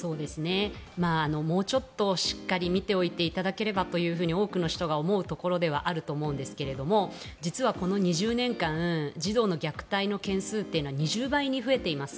もうちょっとしっかり見ておいていただければと多くの人が思うところだと思いますが実は、この２０年間児童の虐待の件数というのは２０倍に増えています。